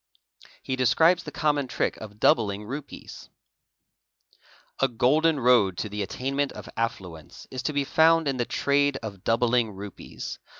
He describes — the common trick of doubling rupees: '"' A golden road to the attainment — of affluence is to be found in the trade of doubling rupees.